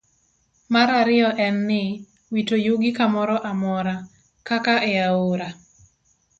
Mar ariyo en ni, wito yugi kamoro amora, kaka e aore.